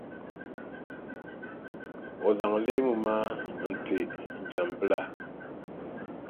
O zaŋ leemu maa n-ti Jaŋʼ bila.